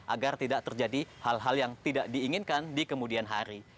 agar tidak terjadi hal hal yang tidak diinginkan di kemudian hari